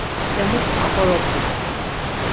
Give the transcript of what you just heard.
Emus aqoropu.